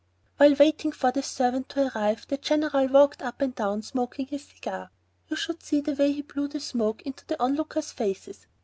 While waiting for the servant to arrive, the General walked up and down, smoking his cigar. You should see the way he blew the smoke into the onlookers' faces!